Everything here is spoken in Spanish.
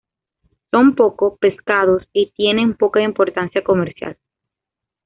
Son poco pescados y tienen poca importancia comercial.